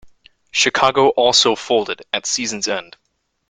Chicago also folded at season's end.